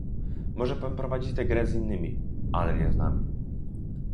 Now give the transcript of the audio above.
Może pan prowadzić tę grę z innymi, ale nie z nami